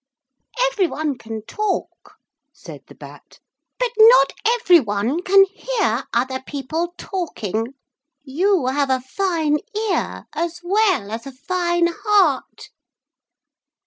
'Every one can talk,' said the Bat, 'but not every one can hear other people talking. You have a fine ear as well as a fine heart.'